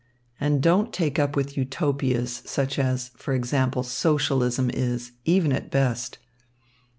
And don't take up with Utopias, such as, for example, Socialism is, even at best.